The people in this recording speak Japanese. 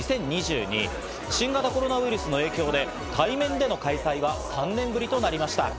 新型コロナウイルスの影響で、対面での開催は３年ぶりとなりました。